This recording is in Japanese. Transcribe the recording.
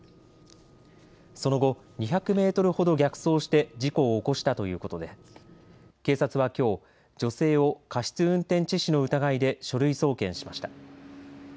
その後、２００メートルほど逆走して事故を起こしたということで警察はきょう女性を過失運転致死の疑いで書類送検しました。